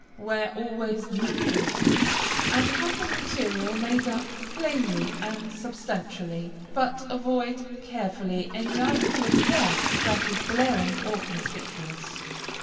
Wear always neutral tints, and have the material made up plainly and substantially, but avoid carefully any article of dress that is glaring or conspicuous.